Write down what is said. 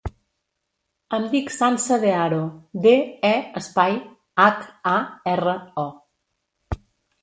Em dic Sança De Haro: de, e, espai, hac, a, erra, o.